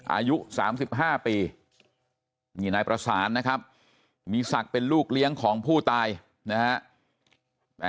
อายุ๓๕ปีนี่นายประสานนะครับมีศักดิ์เป็นลูกเลี้ยงของผู้ตายนะฮะ